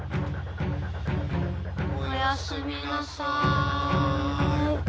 「おやすみなさい」。